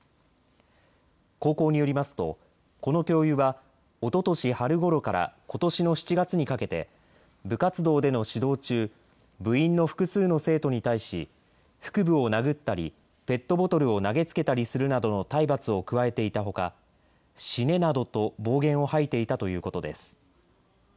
高校によりますとこの教諭はおととし春ごろからことしの７月にかけて部活動での指導中、部員の複数の生徒に対し腹部を殴ったりペットボトルを投げつけたりするなどの体罰を加えていたほか死ねなどと暴言を吐いていたということです。